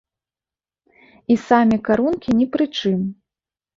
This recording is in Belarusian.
І самі карункі ні пры чым.